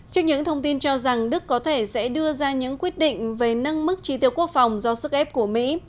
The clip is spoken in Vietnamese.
trước những thông tin cho rằng đức có thể sẽ đưa ra những quyết định về nâng mức tri tiêu quốc phòng do sức ép của mỹ